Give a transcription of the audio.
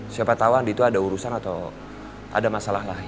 siapa tahu andi itu ada urusan atau ada masalah lain